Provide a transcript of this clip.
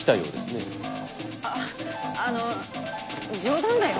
あっあのう冗談だよ